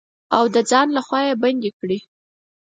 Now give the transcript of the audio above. او د ځان لخوا يې بندې کړي.